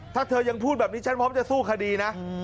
ถ้าเธอยังพูดแบบนี้ฉันพร้อมจะสู้คดีนะ